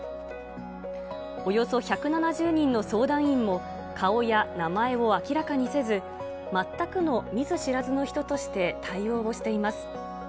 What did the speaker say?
およそ１７０人の相談員も顔や名前を明らかにせず、全くの見ず知らずの人として対応をしています。